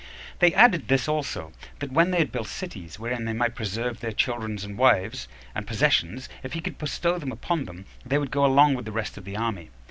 They added this also, that when they had built cities, wherein they might preserve their children, and wives, and possessions, if he would bestow them upon them, they would go along with the rest of the army.